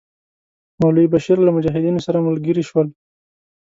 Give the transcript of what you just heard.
مولوی بشیر له مجاهدینو سره ملګري شول.